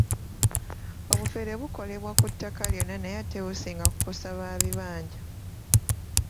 Obufere bukolebwa ku ttaka lyonna naye ate businga kukosa ba bibanja.